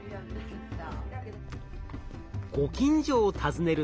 ご近所を訪ねると。